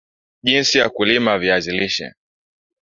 jinsi ya kulima viazi lisha